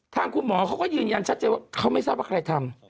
ทางคุณหมอเขาก็ยืนยันชัดเจนว่าเขาไม่ทราบว่าใครทำ